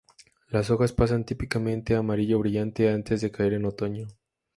Las hojas pasan típicamente a amarillo brillante antes de caer en otoño.